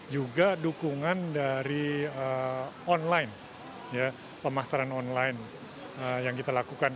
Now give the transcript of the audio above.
juga dukungan dari online pemasaran online yang kita lakukan